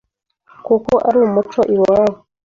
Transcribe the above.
kuko ari umuco iwabo